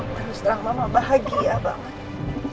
terus terang mama bahagia banget